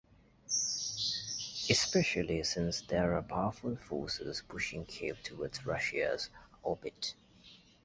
Especially since there are powerful forces pushing Kiev towards Russia's orbit.